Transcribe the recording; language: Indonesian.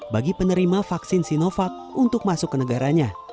bagi penerima vaksin sinovac untuk masuk ke negaranya